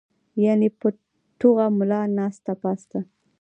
يعني پۀ ټوغه ملا ناسته پاسته